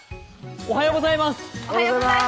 おはようございます。